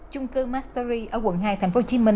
trung cư mastery ở quận hai tp hcm